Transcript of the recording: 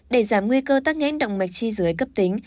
để giảm nguy cơ tắc nghẽn động mạch chi dưới cấp tính